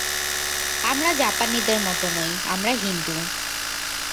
আমরা জাপানীদের মত নই, আমরা হিন্দু।